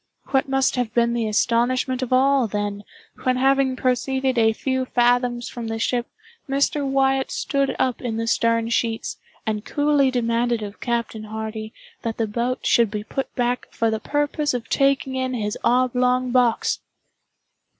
What must have been the astonishment of all, then, when having proceeded a few fathoms from the ship, Mr. Wyatt stood up in the stern sheets, and coolly demanded of Captain Hardy that the boat should be put back for the purpose of taking in his oblong box!